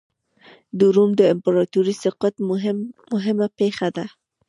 د روم د امپراتورۍ سقوط مهمه پېښه ده.